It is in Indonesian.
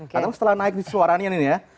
karena setelah naik suaranya ini ya